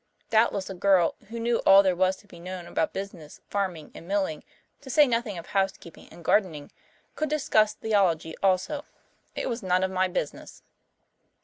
Doubtless a girl who knew all there was to be known about business, farming, and milling, to say nothing of housekeeping and gardening, could discuss theology also. It was none of my business.